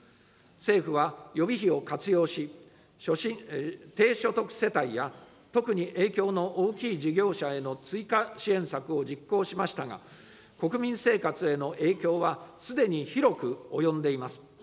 政府は予備費を活用し、低所得世帯や、特に影響の大きい事業者への追加支援策を実行しましたが、国民生活への影響は、すでに広く及んでいます。